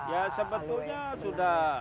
ya sebetulnya sudah